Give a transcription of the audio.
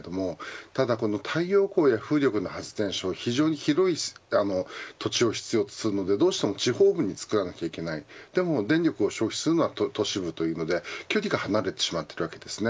ただ、太陽光や風力の発電所非常に広い土地を必要とするのでどうしても地方部に作らなければいけないでも電力を使用するのは都市部ということで距離が離れています。